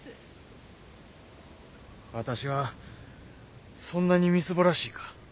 私はそんなにみすぼらしいか。